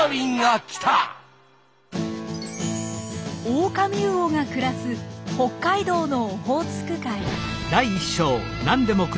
オオカミウオが暮らす北海道のオホーツク海。